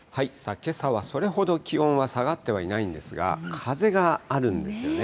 けさはそれほど気温は下がっていないんですが、風があるんですよね。